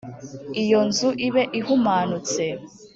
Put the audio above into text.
iyo nzu ibe ihumanutse